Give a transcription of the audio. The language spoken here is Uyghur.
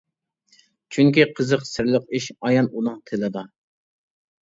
چۈنكى، قىزىق، سىرلىق ئىش، ئايان ئۇنىڭ تىلىدا.